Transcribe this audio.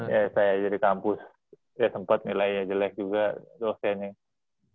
ya saya jadi kampus ya sempat nilainya jelek juga dosennya